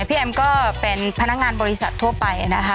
แอมก็เป็นพนักงานบริษัททั่วไปนะคะ